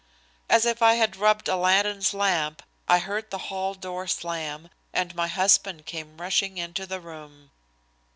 As if I had rubbed Aladdin's lamp, I heard the hall door slam, and my husband came rushing into the room.